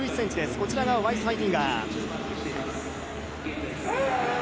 こちらがワイスハイディンガー。